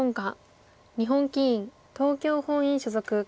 日本棋院東京本院所属。